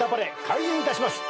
開演いたします。